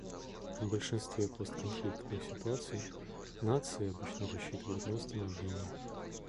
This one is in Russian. В большинстве постконфликтных ситуаций нации обычно рассчитывают на восстановление.